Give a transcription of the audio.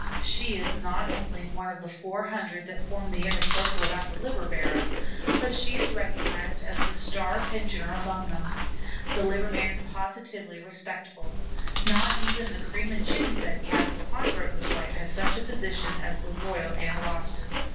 She is not only one of the four hundred that form the inner circle about the liver barrow, but she is recognized as the star pensioner among them. The liver man is positively respectful. Not even the cream and chicken fed Cat of the pawn broker's wife has such a position as the Royal Analostan.